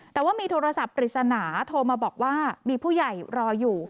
แต่ว่ามีโทรศัพท์ปริศนาโทรมาบอกว่ามีผู้ใหญ่รออยู่